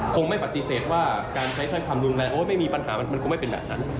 คงไม่ปฏิเสธว่าการใช้ถ้อยคำรุนแรงโอ้ยไม่มีปัญหามันคงไม่เป็นแบบนั้น